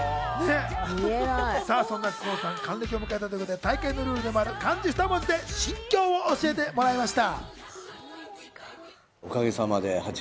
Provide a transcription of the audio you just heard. そんなＫＯＯさん、還暦を迎えたということで大会のルールでもある漢字２文字で心境を教えてもらいました。